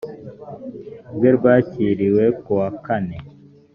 rwe rwakiriwe ku wa kane